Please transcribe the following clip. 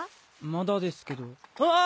まだですけどああ！